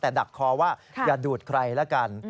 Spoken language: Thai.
แต่ดักคอว่าอย่าดูดใครละกัน